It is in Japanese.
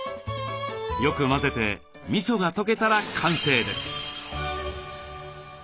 よく混ぜてみそが溶けたら完成です。